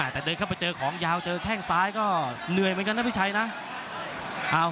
แต่เดินเข้าไปเจอของยาวเจอแข้งซ้ายก็เหนื่อยเหมือนกันนะพี่ชัยนะ